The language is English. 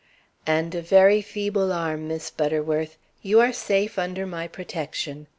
"And a very feeble arm, Miss Butterworth. You are safe under my protection.